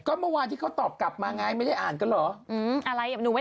คุณแม่อ่านคนเดียวคุณแม่ไม่ได้อ่านเรื่องนี้